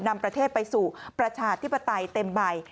นำประเทศไปสู่ประชาธิปไตยเต็มใบ